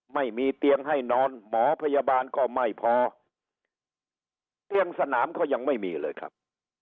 ไม่มีเตียงให้นอนหมอพยาบาลก็ไม่พอเตียงสนามก็ยังไม่มีเลยครับ